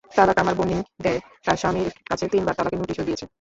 তালাক আমার বোনই দেয়, তার স্বামীর কাছে তিনবার তালাকের নোটিশও গিয়েছে।